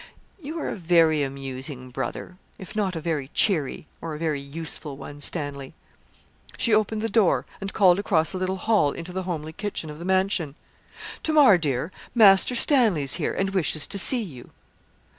'You are a very amusing brother if not a very cheery or a very useful one, Stanley.' She opened the door, and called across the little hall into the homely kitchen of the mansion. 'Tamar, dear, Master Stanley's here, and wishes to see you.'